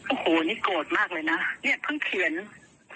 โอ้โหนี่โกรธมากเลยนะ